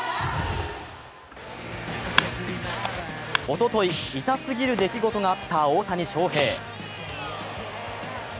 おととい、痛すぎる出来事があった大谷翔平。